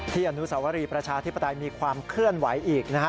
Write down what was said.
อนุสาวรีประชาธิปไตยมีความเคลื่อนไหวอีกนะฮะ